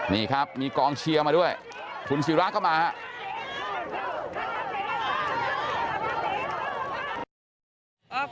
นี่ครับมีกองเชียร์มาด้วยคุณศิราก็มาครับ